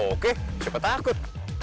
oke siapa takut